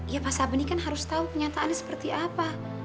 ya bang sabeni kan harus tau kenyataannya seperti apa